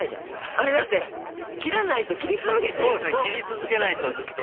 あれだって切らないと切り続けないと。